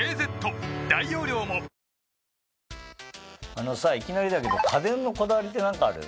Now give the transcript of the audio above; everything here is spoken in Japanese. あのさいきなりだけど家電のこだわりって何かある？